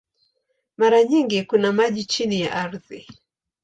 Mara nyingi kuna maji chini ya ardhi.